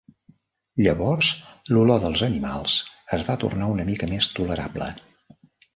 Llavors, l'olor dels animals es va tornar una mica més tolerable.